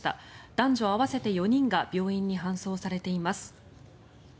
男女合わせて４人が病院に搬送されています。